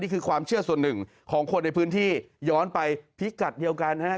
นี่คือความเชื่อส่วนหนึ่งของคนในพื้นที่ย้อนไปพิกัดเดียวกันนะครับ